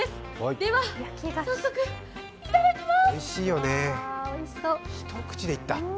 では早速いただきます。